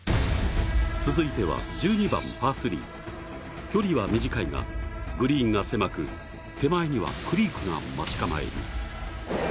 続いては１２番パー３距離は短いが、グリーンが狭く手前にはクリークが待ち構える。